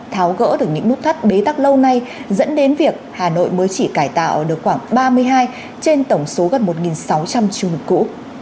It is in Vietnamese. tháo gỡ được những nút thắt bế tắc lâu nay dẫn đến việc hà nội mới chỉ cải tạo được khoảng ba mươi hai trên tổng số gần một sáu trăm linh trung mục cũ